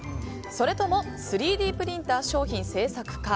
それとも３Ｄプリンター商品製作か。